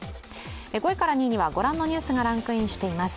５位から２位にはご覧のニュースがランキングしています。